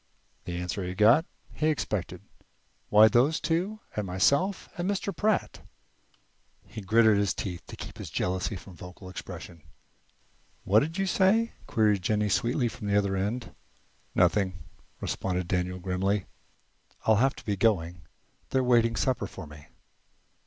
The answer he got he expected. "Why, those two, and myself and Mr. Pratt." He gritted his teeth to keep his jealousy from vocal expression. "What did you say?" queried Jennie sweetly from the other end. "Nothing," responded Daniel, grimly. "I'll have to be going. They're waiting supper for me."